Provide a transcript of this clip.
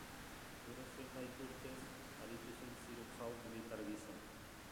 Gero zenbait urtez aritu zen zirujau militar gisa.